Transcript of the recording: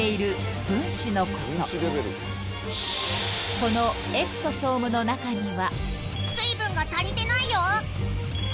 ［このエクソソームの中には］